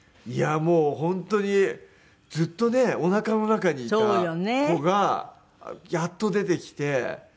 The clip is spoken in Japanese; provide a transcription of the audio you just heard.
いやもう本当にずっとねおなかの中にいた子がやっと出てきて。